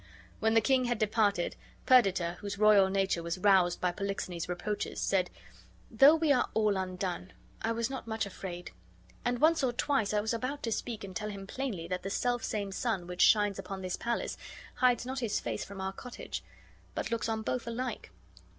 When the king had departed, Perdita, whose royal nature was roused by Polixenes's reproaches, said, "Though we are all undone, I was not much afraid; and once or twice I was about to speak and tell him plainly that the selfsame sun which shines upon his palace hides not his face from our cottage, but looks on both alike."